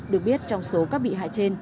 được biết trong số các bị hại trên